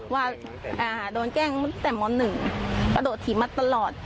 ว่าอ่าโดนแกล้งตั้งแต่ม้อนหนึ่งกระโดดถีบมาตลอด